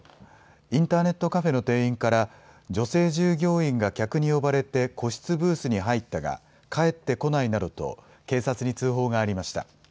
インターネットカフェの店員から、女性従業員が客に呼ばれて個室ブースに入ったが、帰ってこないなどと、警察に通報がありました。